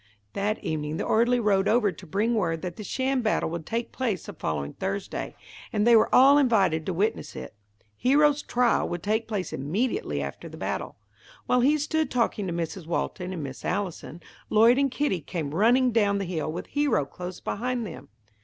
That evening the orderly rode over to bring word that the sham battle would take place the following Thursday, and they were all invited to witness it. Hero's trial would take place immediately after the battle. While he stood talking to Mrs. Walton and Miss Allison, Lloyd and Kitty came running down the hill with Hero close behind them.